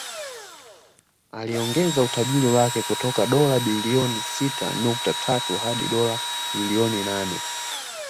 Aliongeza utajiri wake kutoka dola bilioni sita nukta tatu hadi dola bilioni nane